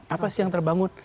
apa sih yang terbangun